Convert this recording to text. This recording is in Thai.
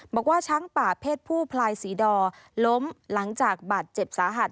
บอกว่าช้างป่าเพศผู้พลายสีดอล้มหลังจากบาดเจ็บสาหัส